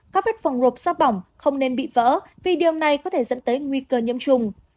các vết phòng hộp xa bỏng không nên bị vỡ vì điều này có thể dẫn tới nguy cơ nhiễm trùng